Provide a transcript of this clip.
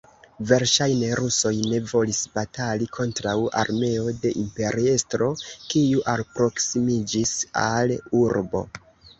Verŝajne rusoj ne volis, batali kontraŭ armeo de imperiestro, kiu alproksimiĝis al urbo.